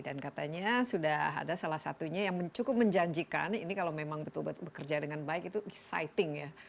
dan katanya sudah ada salah satunya yang cukup menjanjikan ini kalau memang betul betul bekerja dengan baik itu exciting ya